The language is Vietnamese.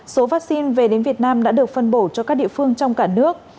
số vaccine về đến việt nam đã được phân bổ cho các địa phương trong cả nước